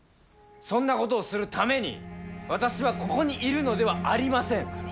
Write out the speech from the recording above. そんなことをするために私はここにいるのではありません。